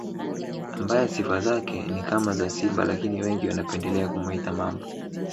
Ambaye sifa zake ni kama za simba lakini wengi wanapendelea kumuita Mamba